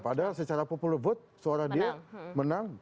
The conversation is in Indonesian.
padahal secara popular vote suara dia menang